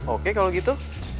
oke kalau gitu